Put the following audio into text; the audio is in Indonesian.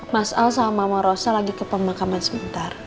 mas al sama rosa lagi ke pemakaman sebentar